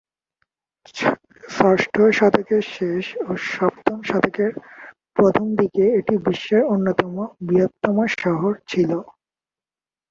ষষ্ঠ শতকের শেষ ও সপ্তম শতকের প্রথম দিকে এটি বিশ্বের অন্যতম বৃহত্তম শহর ছিল।